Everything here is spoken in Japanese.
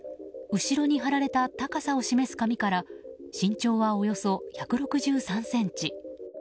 後ろに貼られた高さを示す紙から身長はおよそ１６３ｃｍ。